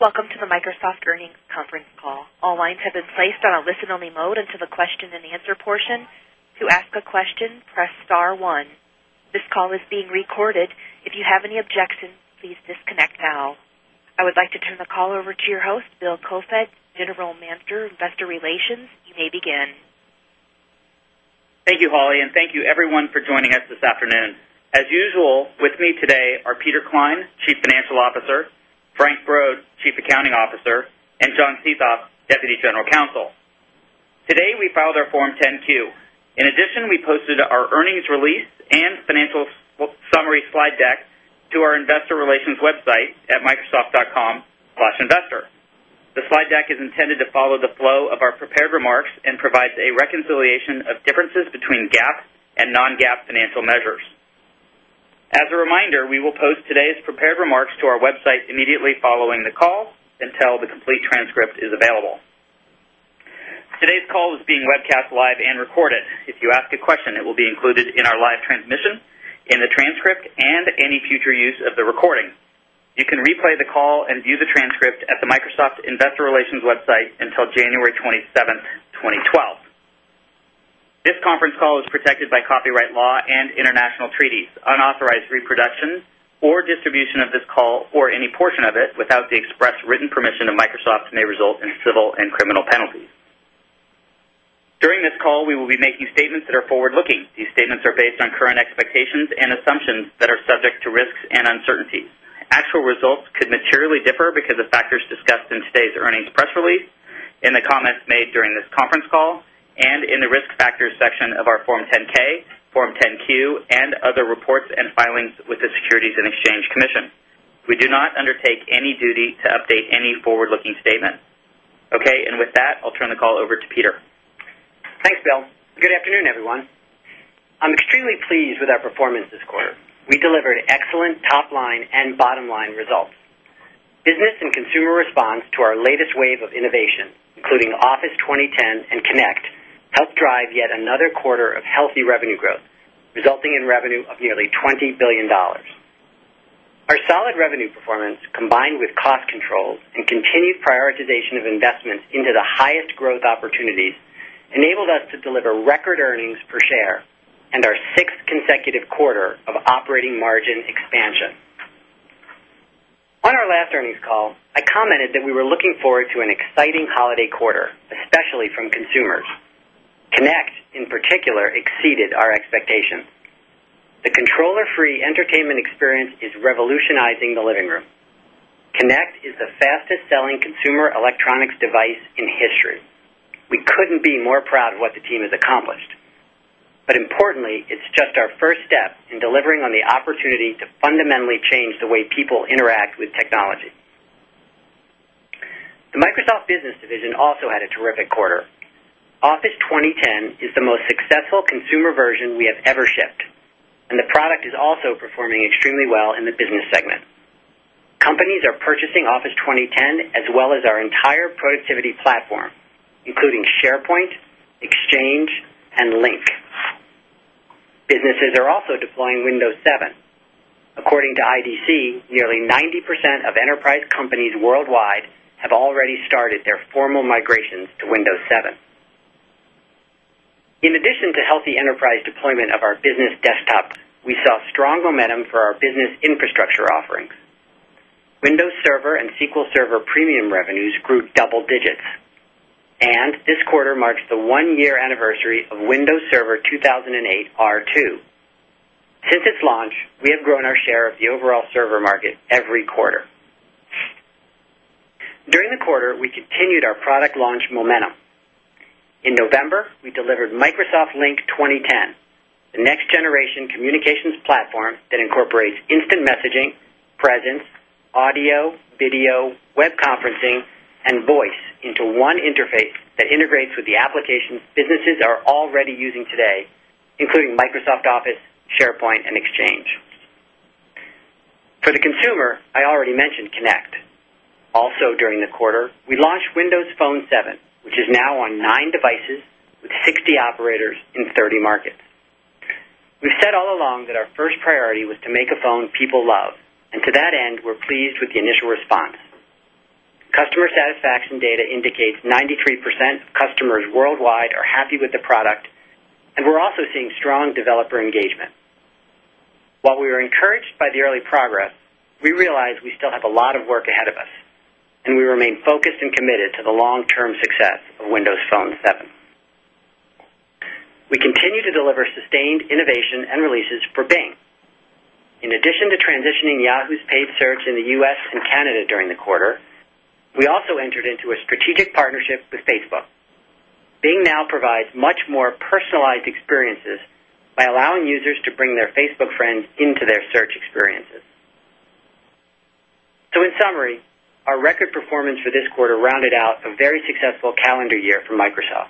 Welcome to the Microsoft Earnings Conference Call. All lines have been placed on a listen only mode until the question and answer portion. This call is being recorded. If you have any objections, please disconnect now. I would like to turn the call over to your host, Bill Kofed, General Manager, Investor Relations. You may begin. Thank you, Holly, and thank you everyone for joining us this afternoon. As usual, with me today are Peter Klein, Chief Financial Officer Frank Broad, Chief Accounting Officer and John Ciethop, Deputy General Counsel. Today, we filed our Form 10 Q. In addition, we posted our earnings release and Financial Summary slide deck to our Investor Relations website at microsoft.com/investor. The slide deck is intended to follow the flow of our prepared remarks and provides a reconciliation of differences between GAAP and non GAAP financial measures. As a reminder, we will post today's prepared remarks to our website immediately following the call until the complete transcript is available. Today's call is being webcast live and recorded. If you ask a question, it will be included in our live transmission, in the transcript and any future use of the recording. You can replay the call and view the transcript at the Microsoft Investor Relations website until January 27, 2012. Press written permission of Microsoft may result in civil and criminal penalties. During this call, we will be making statements that are forward looking. These statements are based on current expectations and and assumptions that are subject to risks and uncertainties. Actual results could materially differ because of factors discussed in today's earnings press release, and the comments made during this conference call and in the Risk Factors section of our Form 10 ks, Form 10 Q and other reports and filings with the Securities and Exchange Commission. We do not undertake any duty to update any forward looking statement. Okay. And with that, I'll turn the call over to Peter. Thanks, Bill. Good afternoon, everyone. I'm extremely pleased with our performance this quarter. We delivered excellent top line and bottom line results. Business and consumer response to our latest wave of innovation, including Office 2010 and Connect helped drive yet another quarter of healthy revenue growth, resulting in revenue of nearly $20,000,000,000 Our solid revenue performance combined with cost controls and continued prioritization of investments into the highest Growth opportunities enabled us to deliver record earnings per share and our 6th consecutive quarter of operating margin expansion. On our last earnings call, I commented that we were looking forward to an exciting holiday quarter, especially from consumers. Connect, in particular, exceeded our expectations. The controller free entertainment experience is revolutionizing the living room. Connect is the fastest selling consumer electronics device in history. We couldn't be more proud of what the team has accomplished. But importantly, it's just our first step in delivering on the opportunity to fundamentally change the way people interact with technology. The Microsoft Business division also had a terrific quarter. Office 2010 is the most successful consumer version we have ever shipped and the product is also performing extremely well in the business segment. Companies are purchasing Office 2010 as well as our entire productivity platform, including SharePoint, Exchange and Link. Businesses are also deploying Windows 7. According to IDC, nearly 90% of enterprise companies worldwide have already started their formal migrations to Windows 7. In addition to healthy enterprise deployment of our business desktop, we saw strong momentum for our business infrastructure offerings. Server 2008R2. Since its launch, we have grown our share of the overall server market every quarter. During the quarter, we continued our product launch momentum. In November, we delivered Microsoft Link 2010, The next generation communications platform that incorporates instant messaging, presence, audio, video, web conferencing and voice into one interface that integrates with the applications businesses are already using today, including Microsoft Office, SharePoint and Exchange. For the consumer, I already mentioned Connect. Also during the quarter, we launched Windows Phone 7, Which is now on 9 devices with 60 operators in 30 markets. We've said all along that our first priority was to make a phone people love. And to that end, we're pleased with the initial response. Customer satisfaction data indicates 93% of customers worldwide are happy with the product And we're also seeing strong developer engagement. While we are encouraged by the early progress, we realized we still have a lot of work ahead of us and we remain focused and committed to the long term success of Windows Phone 7. We continue to deliver sustained innovation and releases for Bing. In addition to transitioning Yahoo! Paid search in the U. S. And Canada during the quarter, we also entered into a strategic partnership with Facebook. Bing now provides much more personalized experiences by allowing users to bring their Facebook friends into their search experiences. So in summary, our record performance for this quarter rounded out a very successful calendar year for Microsoft.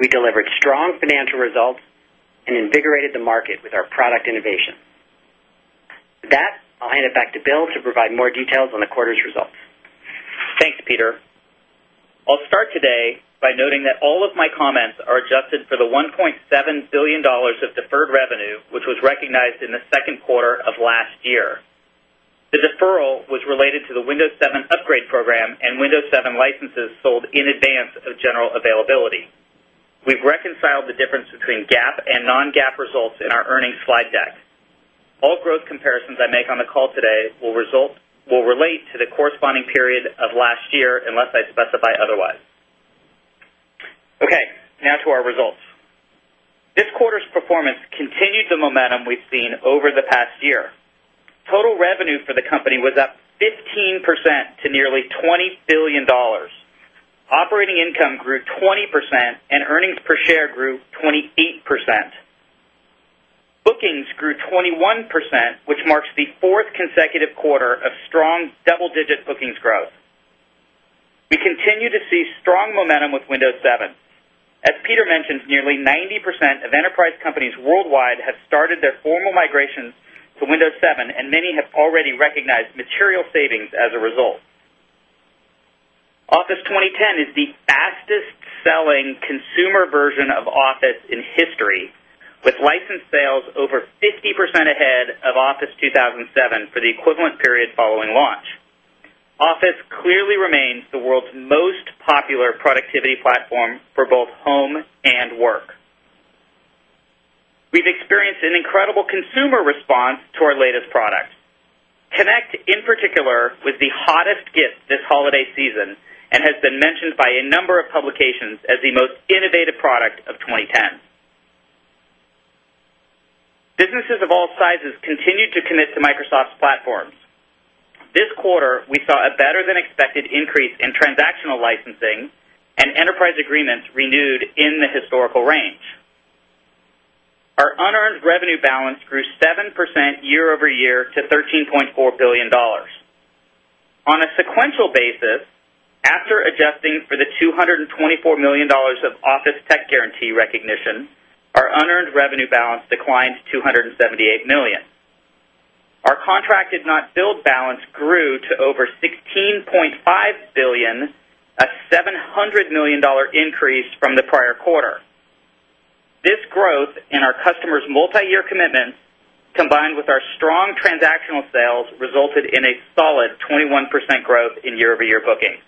We delivered strong financial results and invigorated the market with our product innovation. With that, call. I'll hand it back to Bill to provide more details on the quarter's results. Thanks, Peter. I'll start today by noting that all of my comments are adjusted for the $1,700,000,000 of deferred revenue, which was recognized in the Q2 of last year. The deferral was related to the Windows 7 upgrade program and Windows 7 licenses sold in advance of general availability. We've reconciled the difference between GAAP and non GAAP results in our earnings slide deck. All growth comparisons I make on the call today will result will relate to the corresponding period of last year unless I specify otherwise. Okay. Now to our results. This quarter's performance continued the momentum we've seen over the past year. Total revenue for the company was up 15% to nearly 20 $1,000,000,000 Operating income grew 20% and earnings per share grew 28%. Bookings grew 21%, which marks the 4th consecutive quarter of strong double digit bookings growth. We continue to see strong momentum with Windows 7. As Peter mentioned, nearly 90% of enterprise companies worldwide have started their formal migration for Windows 7 and many have already recognized material savings as a result. Office 2010 is the fastest selling consumer version of Office in history with license sales over 50% ahead of Office 2007 for the equivalent period following launch. Office clearly remains the world's most popular productivity platform for both home and work. We've experienced an incredible consumer response to our latest product. Connect in particular was the hottest gift this holiday season and has been mentioned by a number of publications as the most innovative product of 2010. Businesses of all sizes continued to commit to Microsoft's platforms. This quarter, we saw a better than expected increase in transactional licensing and Enterprise agreements renewed in the historical range. Our unearned revenue balance grew 7 2% year over year to $13,400,000,000 On a sequential basis, after adjusting for the $224,000,000 of Office Check guarantee recognition. Our unearned revenue balance declined $278,000,000 Our contracted not billed balance Grew to over $16,500,000,000 a $700,000,000 increase from the prior quarter. This growth in our customers' multiyear commitments combined with our strong transactional sales resulted in a Solid 21% growth in year over year bookings.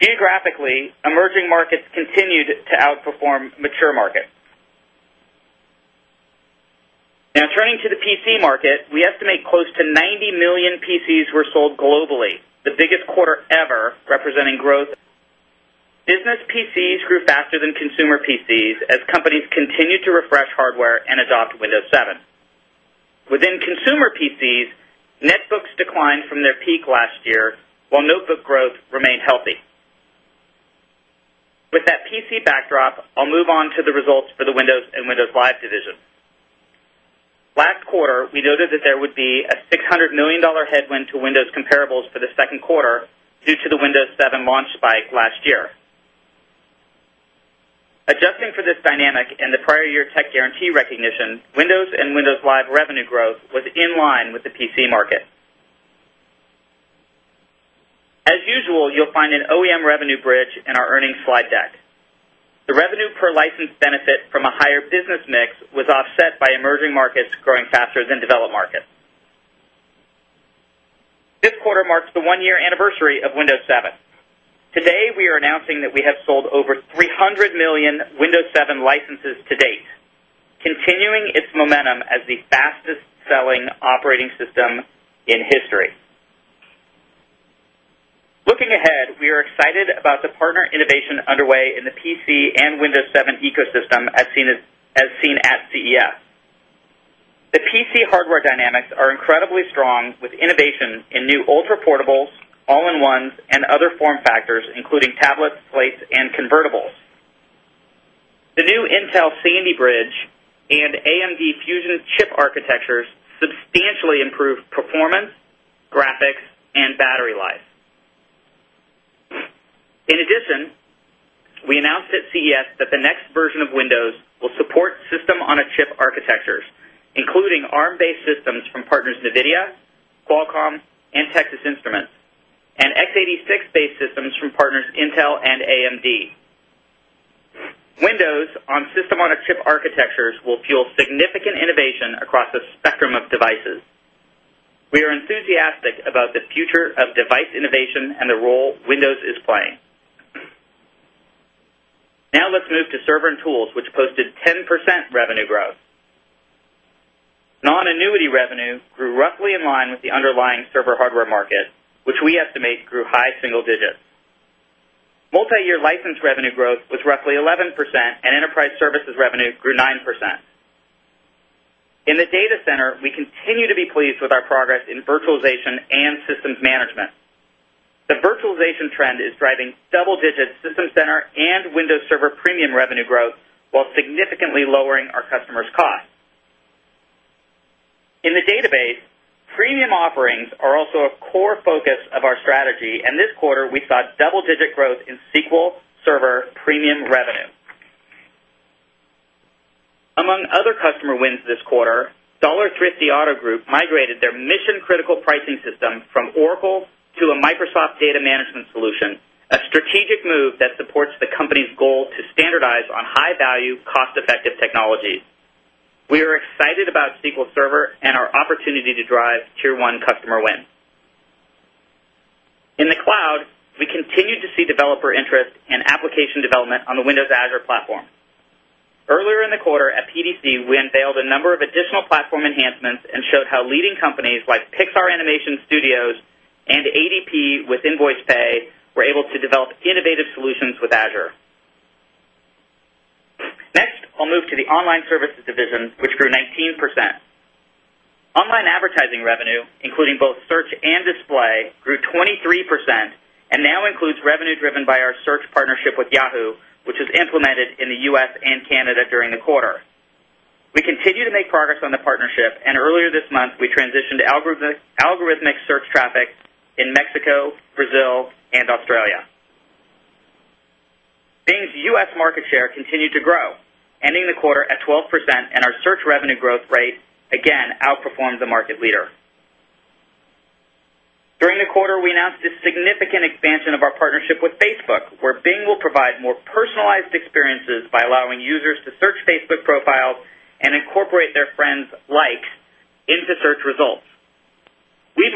Geographically, emerging markets continued to outperform mature markets. Now turning to the PC market, we estimate close to 90,000,000 PCs were sold globally, the biggest quarter ever representing growth. Business PCs grew faster than consumer PCs as companies continue to refresh hardware and adopt Windows 7. Within consumer PCs, netbooks declined from their peak last year, while notebook growth remained healthy. With that PC backdrop, I'll move on to the results for the Windows and Windows Live division. Last quarter, we noted that there would be a $600,000,000 headwind to Windows comparables for the Q2 due to the Windows 7 launch spike last year. Adjusting for this dynamic and the prior year tech guarantee recognition, Windows and Windows Live revenue growth was in line with the PC market. As usual, you'll find an OEM revenue bridge in our earnings slide deck. The revenue per license benefit from a higher business mix Was offset by emerging markets growing faster than developed markets. This quarter marks the 1 year anniversary of Windows 7. Today, we are announcing that we have sold over 300,000,000 Windows 7 licenses to date, continuing its momentum as the fastest Selling Operating System in History. Looking ahead, we are excited about the partner innovation underway in the PC and Windows 7 Ecosystem as seen at CES. The PC hardware dynamics are incredibly strong with innovation in new ultra portables, all in ones and other form factors, including tablets, plates and convertibles. The new Intel CND Bridge And AMD Fusion's chip architectures substantially improved performance, graphics and battery life. In addition, we announced at CES that the next version of Windows will support system on a chip architectures, including ARM based systems from partners NVIDIA, Qualcomm and Texas Instruments and x86 based systems from partners Intel and AMD. Windows on system on a chip architectures will fuel significant innovation across the spectrum of devices. We are enthusiastic about the future of device innovation and the role Windows is playing. Now let's move to server and tools, which posted 10% revenue growth. Non annuity revenue Grew roughly in line with the underlying server hardware market, which we estimate grew high single digits. Multi year license revenue growth was roughly 11% Enterprise services revenue grew 9%. In the data center, we continue to be pleased with our progress in virtualization and systems management. The virtualization trend is driving double digit system center and Windows Server premium revenue growth, while significantly lowering our customers' costs. In the database, premium offerings are also a core focus of our strategy and this quarter we saw double digit growth in SQL server premium revenue. Among other customer wins this quarter, Dollar Thrifty Auto Group migrated their mission Critical pricing system from Oracle to a Microsoft Data Management solution, a strategic move that supports the company's goal to standardize on high value Effective Technologies. We are excited about SQL Server and our opportunity to drive Tier 1 customer wins. In the cloud, we continued to see developer interest and application development on the Windows Azure platform. Earlier in the quarter at PDC, we unveiled a number of additional platform enhancements and showed how leading companies like Pixar Animation Studios And ADP with Nvoicepay, we're able to develop innovative solutions with Azure. Next, I'll move to the Online Services division, which grew 19%. Online advertising revenue, including both search and display, grew 23% and now includes revenue driven by our search partnership with Yahoo! Which is implemented in the U. S. And Canada during the quarter. We continue to make progress on the partnership and earlier this month, we transitioned to algorithmic search traffic in Mexico, Brazil and Australia. Bing's U. S. Market share continued to grow, ending the quarter at 12% and our search revenue growth rate Again outperformed the market leader. During the quarter, we announced a significant expansion of our partnership with Facebook, where Bing will provide more personalized experiences by allowing users to search Facebook profiles and incorporate their friends' likes into search results. We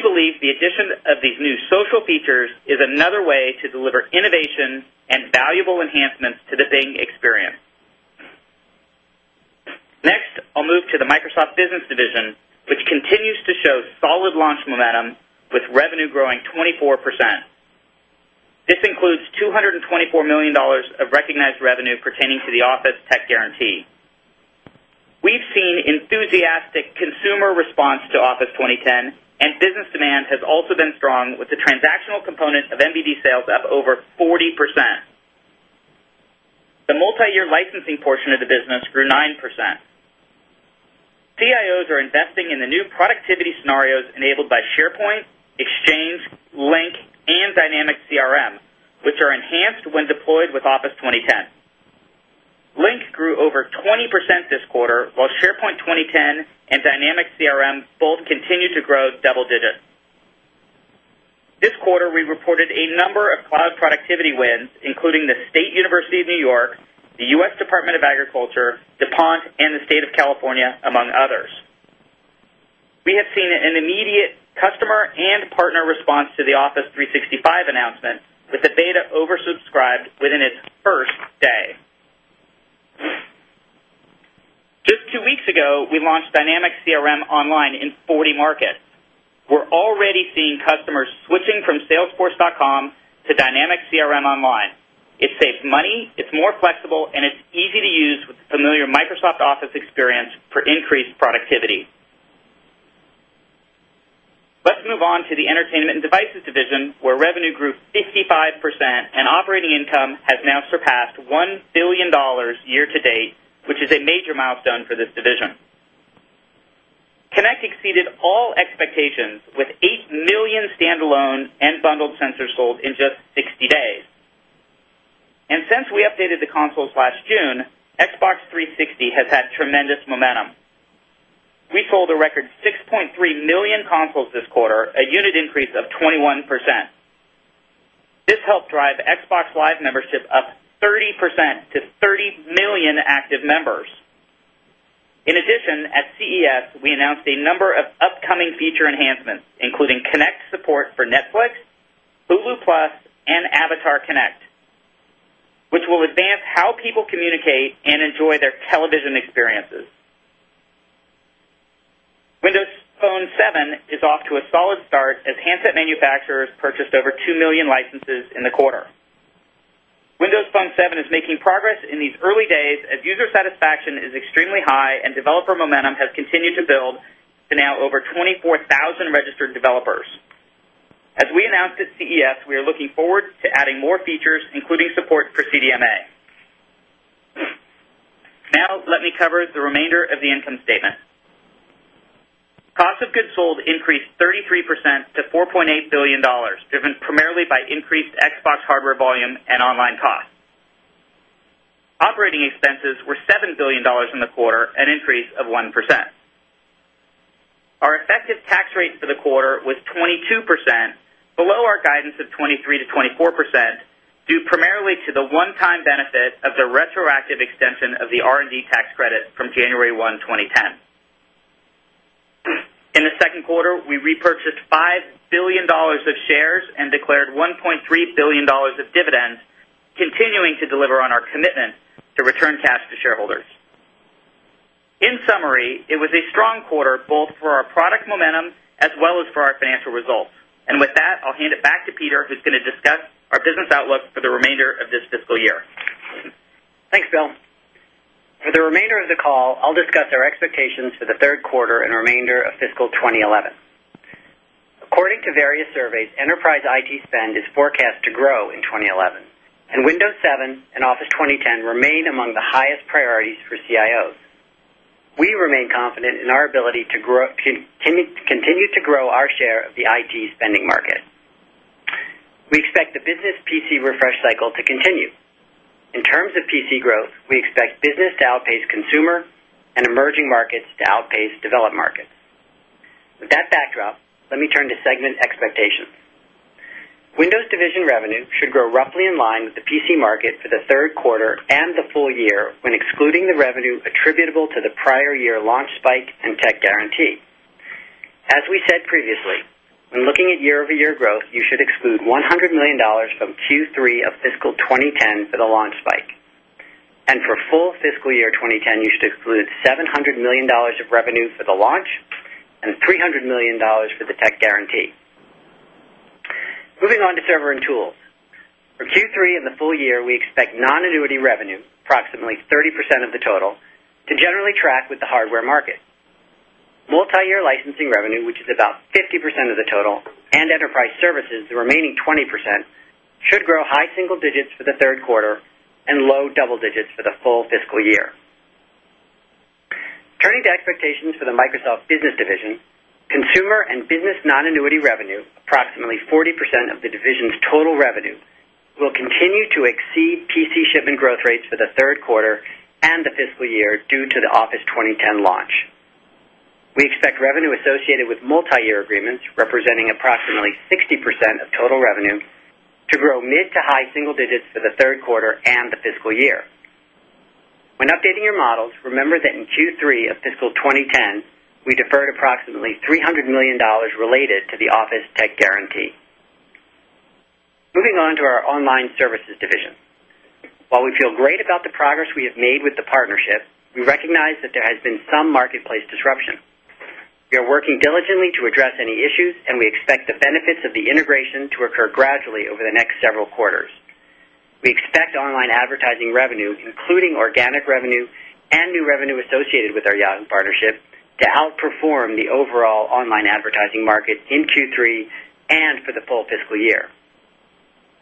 believe the addition of these new social features is another way to deliver innovation and valuable enhancements to the Bing experience. Next, I'll move to the Microsoft Business division, which continues to show solid launch momentum with revenue growing 24%. This includes $224,000,000 of recognized revenue pertaining to the Office Tech Guarantee. We've seen enthusiastic consumer response to Office 2010 and business demand has also been strong with the transactional component of MBD sales up over 40%. The multiyear licensing portion of the business grew 9%. CIOs are investing in the new Productivity scenarios enabled by SharePoint, Exchange, Link and Dynamics CRM, which are enhanced when deployed with Office 2010. Link grew over 20% this quarter, while SharePoint 2010 and Dynamics CRM both continued to grow double digits. This quarter, we reported a number of cloud productivity wins, including the State University of New York, the U. S. Department of Agriculture, DuPont and the State of California, among others. We have seen an immediate customer and partner response to the Office 365 announcement CRM Online in 40 Markets. We're already seeing customers switching from salesforce.com to dynamic CRM Online. It saves money, it's more flexible and it's easy to use with familiar Microsoft Office experience for increased productivity. Let's move on to the Entertainment and Devices division, where revenue grew 55% and operating income has now surpassed $1,000,000,000 year to date, which is a major milestone for this division. Connect exceeded all expectations with 8,000,000 stand alone and bundled sensors sold in just 60 days. And since we updated the consoles last June, Xbox 360 has had tremendous momentum. We sold a record 6,300,000 consoles this quarter, a unit increase of 21%. This helped drive Xbox Live membership up 30% to 30,000,000 active members. In addition, at CES, we announced a number of upcoming feature enhancements, including Connect support for Netflix, Hulu Plus and Avatar Connect, which will advance how people communicate and enjoy their television experiences. Windows Phone 7 is off to a solid start as handset manufacturers purchased over 2,000,000 licenses in the quarter. Windows Phone 7 is making progress in these early days as user satisfaction is extremely high and developer momentum has continued to build to now over 24,000 registered developers. As we announced at CES, we are looking forward to adding more features including support for CDMA. Now let me cover the remainder of the income statement. Cost of goods sold increased 33 percent to $4,800,000,000 Driven primarily by increased Xbox hardware volume and online costs. Operating expenses were $7,000,000,000 in the quarter, an increase of 1%. Our effective tax rate for the quarter was 22% below our guidance of 23% to 24%, due primarily to the one time benefit of the retroactive extension of the R and D tax credit from January 1, 2010. In the Q2, we repurchased $5,000,000,000 of shares and declared $1,300,000,000 of dividends, continuing to deliver on our commitment to return cash to shareholders. In summary, it was a strong quarter both for our product momentum as well as for our financial results. And with that, I'll hand it back to Peter, who's going to discuss our business outlook for the remainder of this fiscal year. Thanks, Bill. For the remainder of the call, I'll discuss our expectations for the Q3 and remainder of fiscal 2011. According to various surveys, enterprise IT Spend is forecast to grow in 2011 and Windows 7 and Office 2010 remain among the highest priorities for CIOs. We remain confident in our ability to grow continue to grow our share of the IT spending market. We expect the business PC refresh cycle to continue. In terms of PC growth, we expect business to outpace consumer and Emerging Markets to Outpace Developed Markets. With that backdrop, let me turn to segment expectations. Windows division revenue should grow roughly in line with the PC market for the Q3 and the full year when excluding the revenue attributable to the prior year launch spike and Tech Guaranty. As we said previously, when looking at year over year growth, you should exclude $100,000,000 from Q3 of fiscal 2010 for the launch spike. And for full fiscal year 2010, you should exclude $700,000,000 of revenue for the launch and $300,000,000 for the tech guarantee. Moving on to server and tools. For Q3 and the full year, we expect non annuity revenue approximately 30% of the total To generally track with the hardware market, multi year licensing revenue, which is about 50% of the total and enterprise services, the remaining 20%, Should grow high single digits for the 3rd quarter and low double digits for the full fiscal year. Turning to expectations for the Microsoft Business division, Consumer and business non annuity revenue approximately 40% of the division's total revenue will continue to exceed PC shipment growth rates for the 3rd quarter and the fiscal year due to the Office 2010 launch. We expect revenue associated with multi year agreements, representing approximately 60% of total revenue Full 2010, we deferred approximately $300,000,000 related to the Office Tech Guarantee. Moving on to our Online Services division. While we feel great about the progress we have made with the partnership, we recognize that there has been some marketplace disruption. We are working diligently to address any issues and we expect the benefits of the integration to occur gradually over the next several quarters. We expect online advertising revenue, including organic revenue and new revenue associated with our Yahoo! Partnership to outperform the overall online market in Q3 and for the full fiscal year.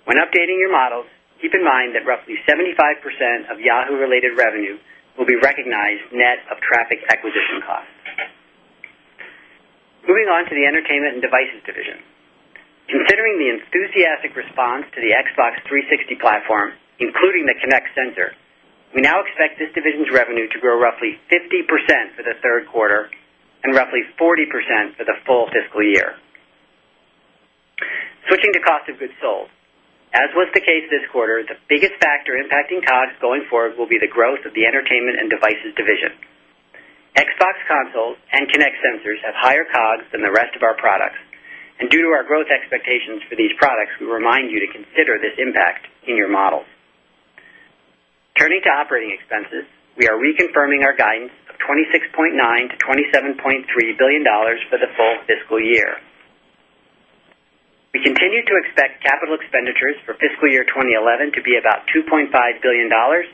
When updating your models, keep in mind that roughly 75% of Yahoo! Related revenue Will be recognized net of traffic acquisition costs. Moving on to the Entertainment and Devices division. Considering the enthusiastic response to the Xbox 360 platform, including the Connect sensor, we now expect this division's revenue to grow roughly 50% for the Q3 and roughly 40% for the full fiscal year. Switching to cost of goods sold. As was the case this quarter, the biggest factor impacting COGS going forward will be the growth of the Entertainment and Devices division. Xbox consoles and Kinect sensors have higher COGS than the rest of our products. And due to our growth expectations for these products, we remind you to consider this impact in your models. Turning to operating expenses, we are reconfirming our guidance of $26,900,000,000 to $27,300,000,000 for the full fiscal year. We continue to expect capital expenditures for fiscal year 2011 to be about $2,500,000,000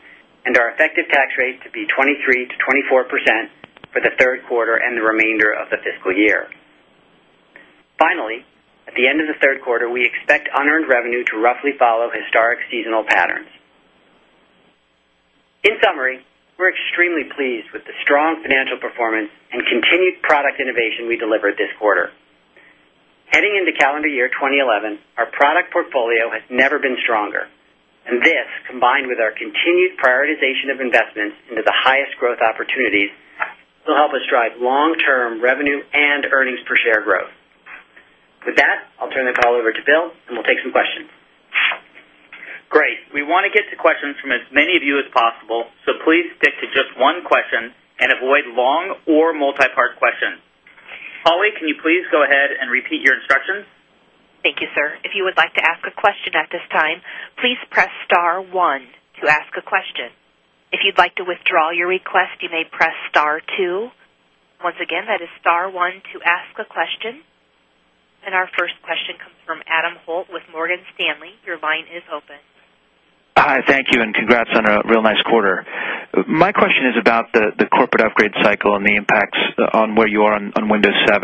and our effective tax rate to be 23% to 24% for the Q3 and the remainder of the fiscal year. Finally, at the end of the Q3, we expect unearned revenue to roughly follow historic seasonal patterns. In summary, we're extremely pleased with the strong financial performance and continued product innovation we delivered this quarter. Heading into calendar year 2011, our product portfolio has never been stronger. And this combined with our continued prioritization of investments The highest growth opportunities will help us drive long term revenue and earnings per share growth. With that, I'll turn the call over to Bill and we'll take some questions. Great. We want to get to questions from as many of you as possible, so please stick to just one question and avoid long or multipart questions. Holly, can you please go ahead and repeat your instructions? Thank you, sir. And our first question comes from Adam Holt with Morgan Stanley. Your line is open. Hi, thank you and congrats on a real nice quarter. My question is about the corporate upgrade cycle and the impacts on where you are on Windows 7.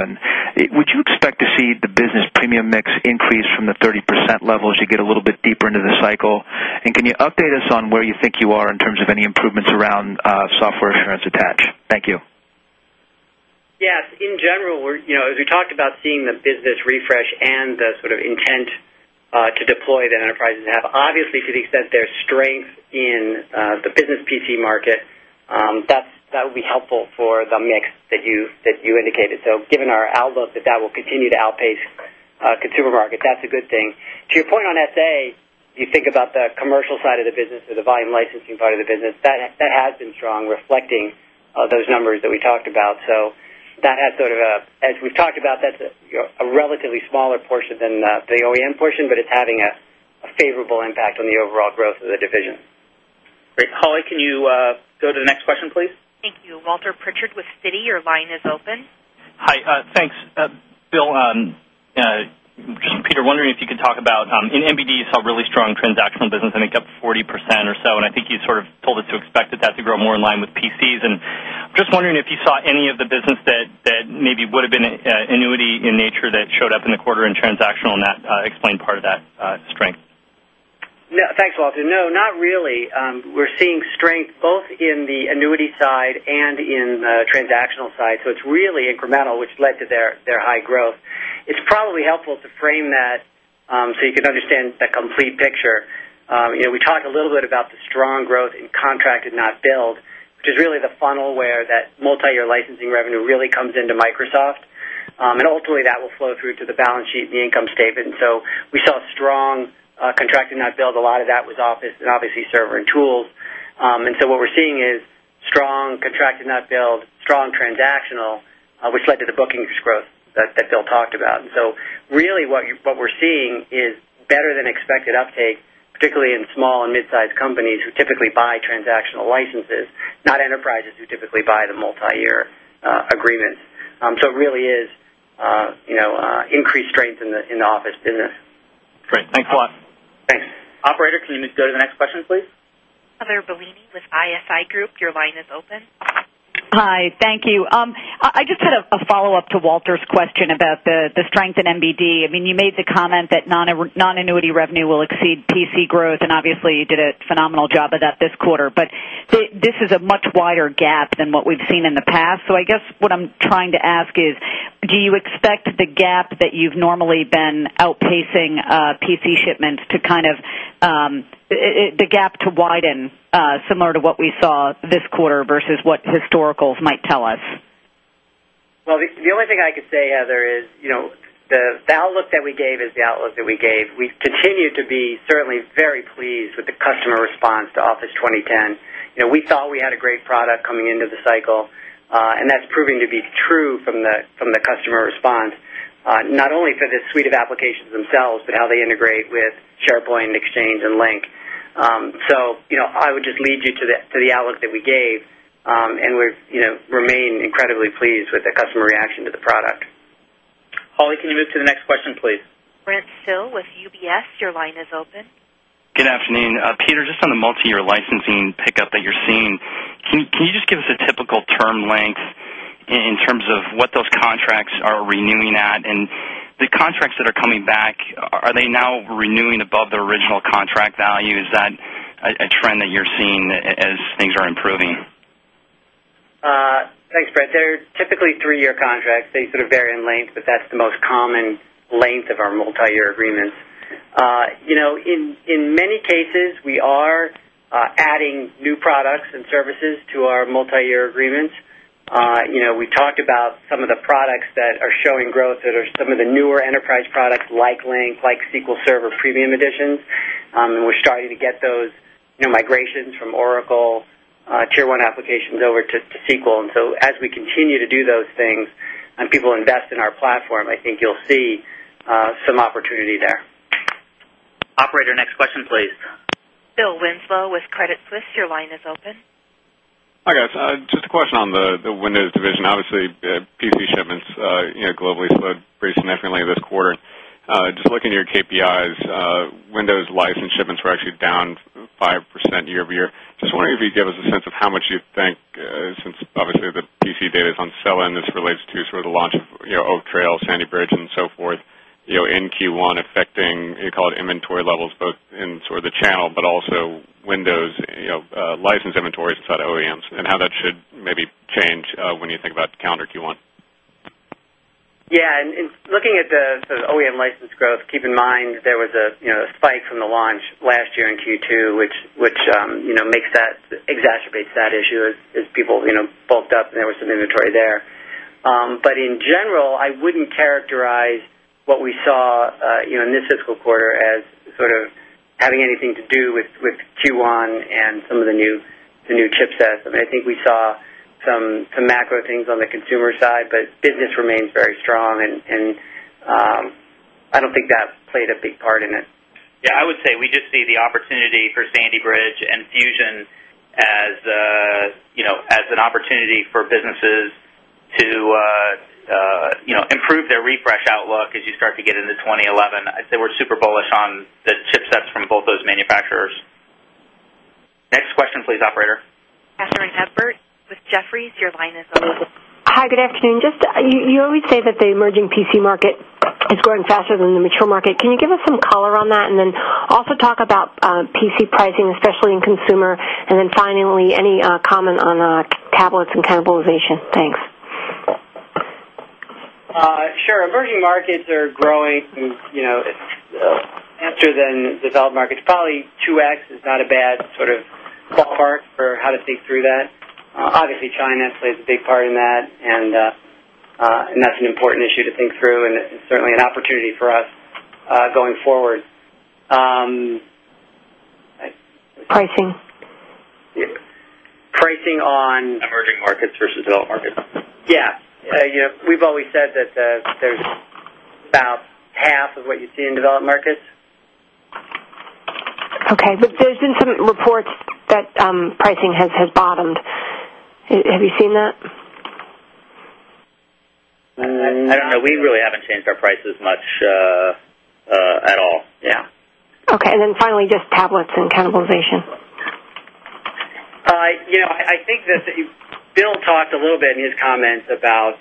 Would you expect to see the business premium mix increase from the 30% level as you get a little bit deeper into the cycle? And can you update us on where you think you are in terms of any improvements around Software Assurance Attach. Thank you. Yes. In general, as we talked about seeing the business refresh and the sort of intent To deploy that Enterprises have obviously to the extent there's strength in the business PC market, that That will be helpful for the mix that you indicated. So given our outlook that that will continue to outpace consumer market, that's a good thing. To your point on SA, You think about the commercial side of the business or the volume licensing part of the business, that has been strong, reflecting those numbers that we talked about. So that has sort of a As we've talked about that's a relatively smaller portion than the OEM portion, but it's having a favorable impact on the overall growth of the division. Great. Holli, can you go to the next question please? Thank you. Walter Pritchard with Citi. Your line is open. Hi. Thanks. Bill, Peter, wondering if you could talk about in MBD, you saw a really strong transactional business, I think, up 40% or so. And I think you sort of told us to expect that that to grow more in line with PCs. And Just wondering if you saw any of the business that maybe would have been annuity in nature that showed up in the quarter in transactional and that explained part of that strength? Thanks, Walter. No, not really. We're seeing strength both in the annuity side and in transactional side. So it's really incremental, which led to their high growth. It's probably helpful to frame that, so you can understand the complete picture. We talked a little bit about the strong growth in contracted not billed, which is really the funnel where that multi year licensing revenue really comes into Microsoft. And ultimately that will flow through to the balance sheet and the income statement. So we saw strong contracted not billed, a lot of that was Office and obviously Server and Tools. And so what we're seeing is strong contracted not billed, strong transactional, which led to the bookings growth that Bill talked about. And so Really what we're seeing is better than expected uptake, particularly in small and midsized companies who typically buy transactional licenses, Not Enterprises who typically buy the multiyear agreements. So it really is increased strength in the Office business. Great. Thanks a lot. Thanks. Operator, can you go to the next question please? Heather Bellini with ISI Group. Your line is open. Hi, thank you. I just had a follow-up to Walter's question about the strength in MBD. I mean, you made the comment that non annuity revenue will exceed PC Growth and obviously you did a phenomenal job of that this quarter. But this is a much wider gap than what we've seen in the past. So I guess what I'm trying to ask is, Do you expect the gap that you've normally been outpacing PC shipments to kind of the gap to widen similar to what we saw this quarter versus what historicals might tell us. Well, the only thing I could say Heather is The outlook that we gave is the outlook that we gave. We continue to be certainly very pleased with the customer response to Office 2010. We thought we had a great product coming into the cycle, and that's proving to be true from the customer response, Not only for the suite of applications themselves, but how they integrate with SharePoint and Exchange and Link. So I would just lead you to the outlook that we gave, And we remain incredibly pleased with the customer reaction to the product. Holly, can you move to the next question, please? Brent Thill with UBS. Your line is open. Good afternoon. Peter, just on the multiyear licensing pickup that you're seeing, can you just give us a typical term length In terms of what those contracts are renewing at and the contracts that are coming back, are they now renewing above the original contract value? Is that A trend that you're seeing as things are improving. Thanks, Brett. They're typically 3 year contracts. They sort of vary in length, but that's the most common Length of our multiyear agreements. In many cases, we are adding new products and services to our multiyear agreements. We talked about some of the products that are showing growth that are some of the newer enterprise products like LINQ, like SQL Server Premium Editions. We're starting to get those migrations from Oracle Tier 1 applications over to SQL. And so as we continue to do those things When people invest in our platform, I think you'll see some opportunity there. Operator, next question please. Bill Winslow with Credit Suisse. Your line is open. Hi, guys. Just a question on the Windows division. Obviously, PC shipments globally slowed Very significantly this quarter. Just looking at your KPIs, Windows license shipments were actually down 5% year over year. Just Just wondering if you could give us a sense of how much you think since obviously the PC data is on sell in as it relates to sort of the launch of Oak Trail, Sandy Bridge and so forth In Q1 affecting, you call it inventory levels both in sort of the channel, but also Windows license inventories inside OEMs and how that should maybe change when you think about calendar Q1? Yes. And looking at the OEM license growth, keep in mind, there was a spike from the launch last year in Q2, which makes that exacerbates that issue as people bulked up and there was some inventory there. But in general, I wouldn't characterize what we saw in this fiscal quarter as sort of Having anything to do with Q1 and some of the new chipsets. I mean, I think we saw some macro things on the consumer side, but business remains very Strong and I don't think that played a big part in it. Yes. I would say we just see the opportunity for Sandy Bridge and Fusion As an opportunity for businesses to improve their refresh outlook as you start to get into 2011, I'd say we're super bullish on the chipsets from both those manufacturers. Next question please, operator. Asharin Hepburn with Jefferies. Your line is open. Hi, good afternoon. Just you always say that the emerging PC market is growing faster than the mature market. Can you give us some color on that? And then Also talk about PC pricing, especially in consumer? And then finally, any comment on tablets and cannibalization? Thanks. Sure. Emerging markets are growing faster than developed markets. Probably 2x is not a bad sort of Call. A part for how to think through that. Obviously, China plays a big part in that. And that's an important issue to think through and certainly an opportunity for us Going forward. Pricing. Pricing on Emerging markets versus Yes. We've always said that there's about half of what you see in developed markets. Okay. But there's been some reports that pricing has bottomed. Have you seen that? I don't know. We really haven't changed our prices much at all. Yeah. Okay. And then finally, just tablets and cannibalization. I think that Bill talked a little bit in his comments about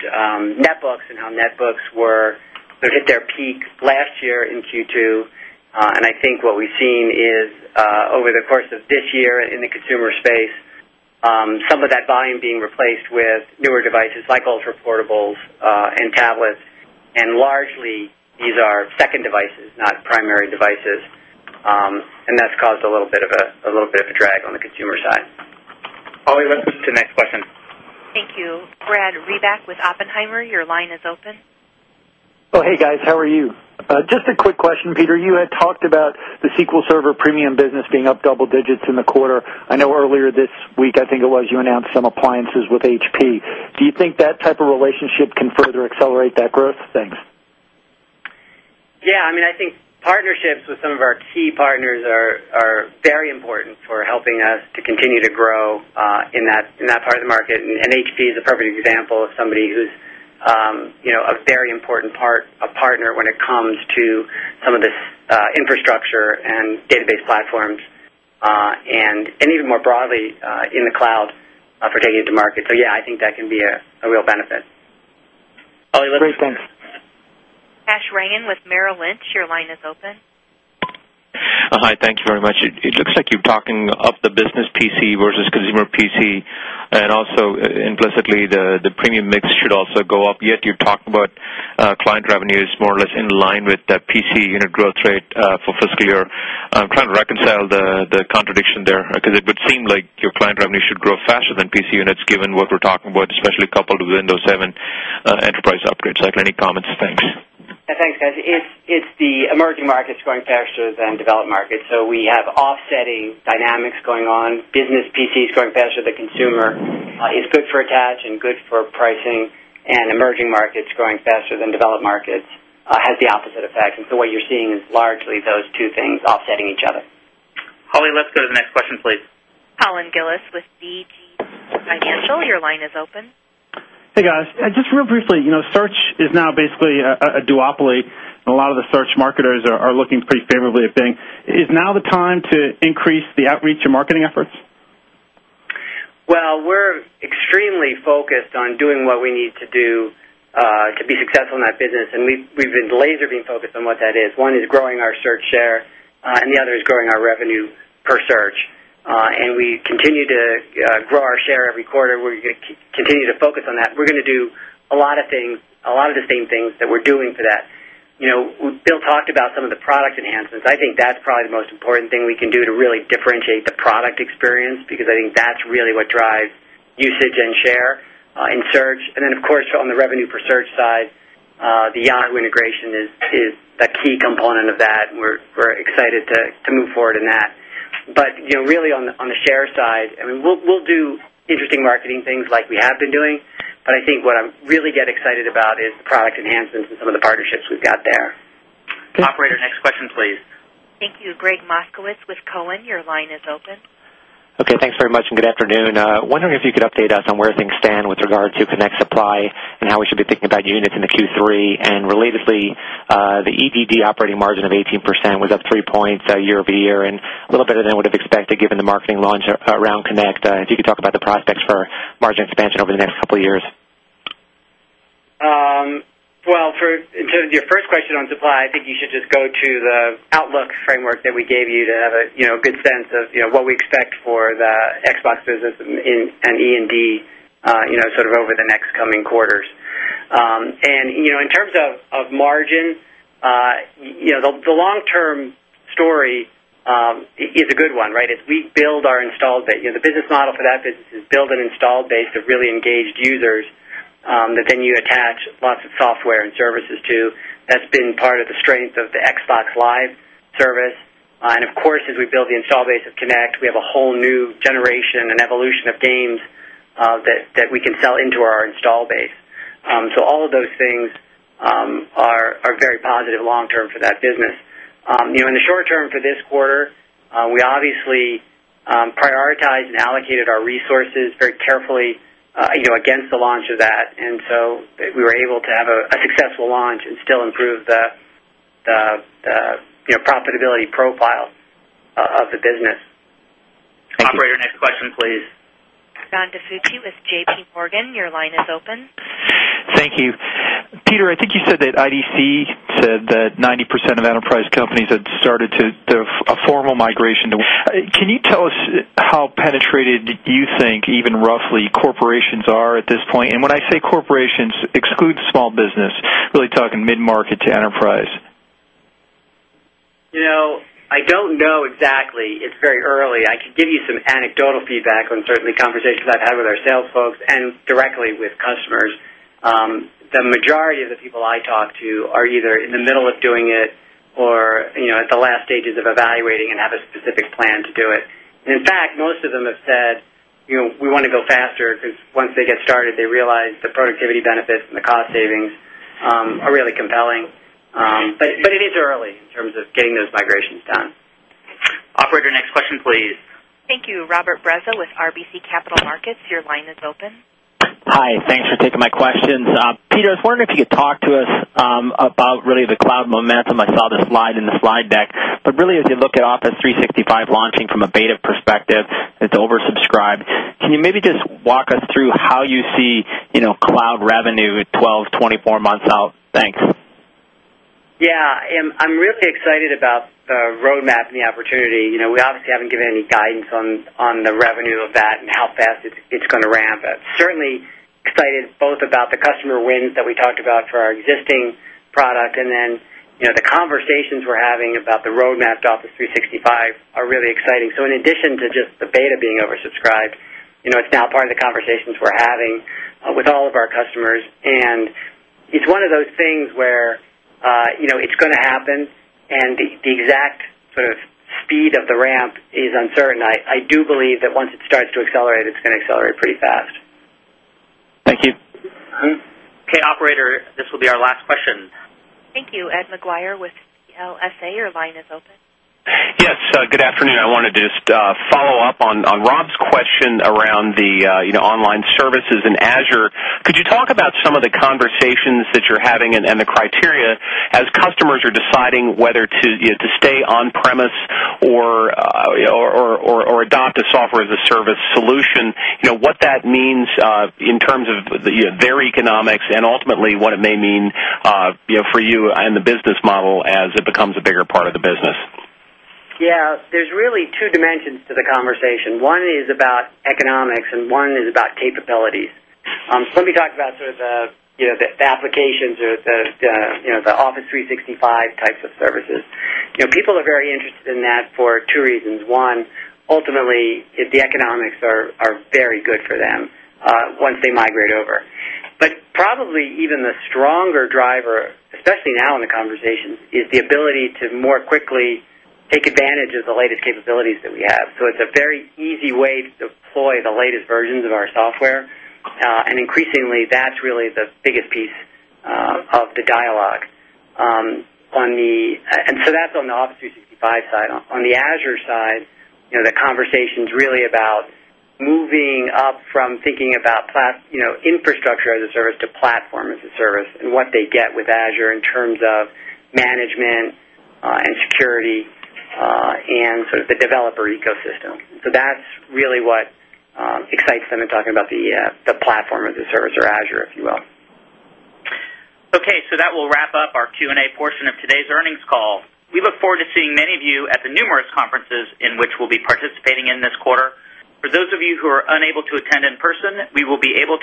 netbooks and how netbooks were hit their peak last year in Q2. And I think what we've seen is over the course of this year in the consumer space, Some of that volume being replaced with newer devices like ultra portables and tablets and largely These are second devices, not primary devices. And that's caused a little bit of a drag on the consumer I'll leave it to the next question. Thank you. Brad Reback with Oppenheimer. Your line is open. Hey, guys. How are you? Just a quick question, Peter. You had talked about the SQL Server premium business being up double digits in the quarter. I know earlier this week. I think it was you announced some appliances with HP. Do you think that type of relationship can further accelerate that growth? Thanks. Yes. I mean, I think partnerships with some of our key partners are very important for helping us to continue to grow in That's part of the market. And HP is a perfect example of somebody who's a very important part a partner when it comes to some of this Infrastructure and Database Platforms and even more broadly, in the cloud for taking it to market. So yes, I think that can be a real benefit. Kash Rangan with Merrill Lynch. Your line is open. Hi. Thank you very much. It looks like you're talking of the business PC versus consumer PC. And also implicitly, the premium mix should also go up. Yet you talked about Client revenue is more or less in line with that PC unit growth rate for fiscal year. I'm trying to reconcile the contradiction there because it would seem like Your client revenue should grow faster than PC units given what we're talking about, especially coupled with Windows 7 Enterprise upgrades. Like any comments? Thanks. Thanks guys. It's the emerging markets going faster than developed markets. So we have offsetting dynamics going on, business DC is growing faster than consumer. It's good for attach and good for pricing. And emerging markets growing faster than developed markets Has the opposite effect. And so what you're seeing is largely those two things offsetting each other. Holly, let's go to the next question please. Collyn Gillis with CG Financial. Your line is open. Hey, guys. Just real briefly, search is now basically a duopoly. A lot of the search marketers are looking pretty favorably at Bing. Is now the time to increase the outreach and marketing efforts? Well, we're extremely focused on doing what we need to do to be successful in that business. And we've been laser being focused on what that is. 1 is growing our search share And the other is growing our revenue per search. And we continue to grow our share every quarter. We're going to continue to focus on that. We're going to do A lot of things a lot of the same things that we're doing for that. Bill talked about some of the product enhancements. I think that's probably the Important thing we can do to really differentiate the product experience, because I think that's really what drives usage and share in search. And then of course, on the revenue per search side, The Yahoo integration is a key component of that. We're excited to move forward in that. But really on the share side, I mean, we'll do Interesting marketing things like we have been doing. But I think what I'm really get excited about is the product enhancements and some of the partnerships we've got there. Operator, next question please. Thank you. Greg Moskowitz with Cowen. Your line is open. Okay. Thanks very much and good afternoon. Wondering if you could update us on where things stand with Regarding Connect Supply and how we should be thinking about units in the Q3. And relatedly, the EDD operating margin of 18% was up 3 points year over year and a Little better than I would have expected given the marketing launch around Connect. If you could talk about the prospects for margin expansion over the next couple of years. Well, for in terms of your first question on supply, I think you should just go to the outlook framework that we gave you to have a good sense of what we expect for the Xbox business and E and D sort of over the next coming quarters. And in terms of margin, The long term story is a good one, right? As we build our installed base the business model for that Build an installed base of really engaged users, that then you attach lots of software and services to. That's been part of the strength of the Xbox Live service. And of course, as we build the installed base of Connect, we have a whole new generation and evolution of games that we can sell into our installed base. So all of those things are very positive long term for that business. In the short term for this quarter, we obviously Prioritized and allocated our resources very carefully against the launch of that. And so we were able to have a successful launch and still improve Profitability profile of the business. Operator, next question please. John DiFucci with JPMorgan. Your line is open. Thank you. Peter, I think you said that IDC said that 90% of enterprise companies had started to A formal migration to can you tell us how penetrated you think even roughly corporations are at this point? And when I The corporations exclude small business, really talking mid market to enterprise. I don't know exactly. It's very early. I could give you some anecdotal feedback on certainly conversations I've had with our sales folks and directly with customers. The majority of the people I talk to are either in the middle of doing it or at the last stages of evaluating and have a specific plan to do it. In fact, most of them have said, we want to go faster, because once they get started, they realize the productivity benefits and the cost savings are really compelling. But it is early in terms of getting those migrations done. Operator, next question please. Thank you. Robert Breza with RBC Capital Markets. Your line is open. Hi. Thanks for taking my questions. Peter, I was wondering if you could talk to us about really the cloud momentum. I saw the slide in the slide deck. But really, as you look at Office 365 launching from a beta perspective, it's oversubscribed. Can you maybe just walk us through how you see Cloud revenue 12 months, 24 months out. Thanks. Yes. I'm really excited about The roadmap and the opportunity, we obviously haven't given any guidance on the revenue of that and how fast it's going to ramp. Certainly, Excited both about the customer wins that we talked about for our existing product and then the conversations we're having about the road map to Office 365 are really exciting. So in addition to just the beta being oversubscribed, it's now part of the conversations we're having with all of our customers. And It's one of those things where it's going to happen and the exact sort of speed of the ramp It is uncertain. I do believe that once it starts to accelerate, it's going to accelerate pretty fast. Thank you. Okay. Operator, this will be our last question. Thank you. Ed McGuire with CLSA. Your line is open. Yes. Good afternoon. I wanted to just follow-up on Rob's question around the online services in Azure. Could you talk about some of the conversations that you're having and the criteria As customers are deciding whether to stay on premise or adopt a software as a service solution, What that means in terms of their economics and ultimately what it may mean for you and the business model as it becomes a bigger part of the business? Yes. There's really 2 dimensions to the conversation. 1 is about economics and 1 is about capabilities. Let me talk about sort of the applications or the Office 365 types of services. People are very interested in that for two reasons. 1, ultimately, the economics are very good for them Once they migrate over. But probably even the stronger driver, especially now in the conversation, is the ability to more quickly Take advantage of the latest capabilities that we have. So it's a very easy way to deploy the latest versions of our software. And increasingly, that's really the biggest piece of the Dialog. On the and so that's on the Office 365 side. On the Azure side, The conversation is really about moving up from thinking about infrastructure as a service to platform as a service and what they get with Azure in terms of Management and Security and sort of the developer ecosystem. So that's really what Excites them in talking about the platform as a service or Azure, if you will. Okay. So that will wrap up our Q and A portion of today's earnings call. We look forward to seeing many of you at the numerous conferences in which we'll be participating in this quarter. For those of you who are unable to attend in You will be able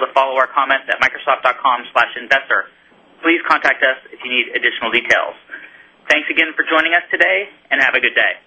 to follow our comments at microsoft.com/investor. Please contact us if you need additional details. Thanks again for joining us today and have a good day.